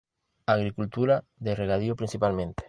Agricultura de regadío principalmente.